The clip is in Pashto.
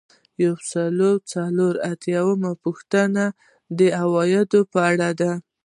یو سل او څلور اتیایمه پوښتنه د عوایدو په اړه ده.